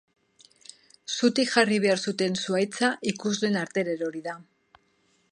Zutik jarri behar zuten zuhaitza ikusleen artera erori da.